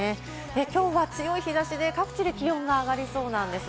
きょうは強い日差しで各地で気温が上がりそうなんです。